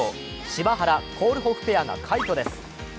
柴原・コールホフペアが快挙です。